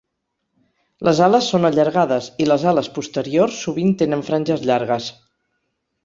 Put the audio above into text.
Les ales són allargades i les ales posteriors sovint tenen franges llargues.